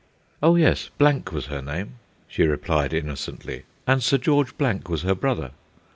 Oh, yes, Blank was her name, she replied innocently, and Sir George Blank was her brother.